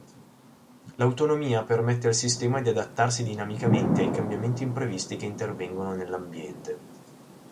L'autonomia permette al sistema di adattarsi dinamicamente ai cambiamenti imprevisti che intervengono nell'ambiente.